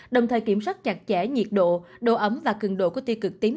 đồng thời kiểm soát chặt chẽ nhiệt độ độ ấm và cường độ của tiêu cực tím